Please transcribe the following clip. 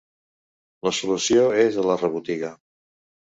La solució és a la rebotiga.